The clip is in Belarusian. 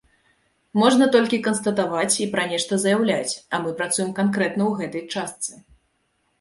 Можна толькі канстатаваць і пра нешта заяўляць, а мы працуем канкрэтна ў гэтай частцы!